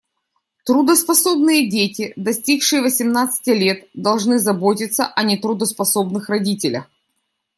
Трудоспособные дети, достигшие восемнадцати лет, должны заботиться о нетрудоспособных родителях.